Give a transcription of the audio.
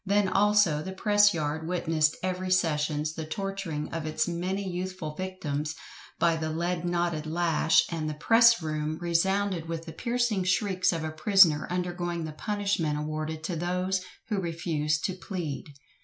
Then also, the "press yard" witnessed every sessions the torturing of its many youthful victims by the lead knotted lash; and the "press room" resounded with the piercing shrieks of a prisoner undergoing the punishment awarded to those who refused to plead.